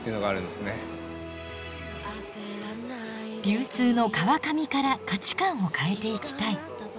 流通の川上から価値観を変えていきたい。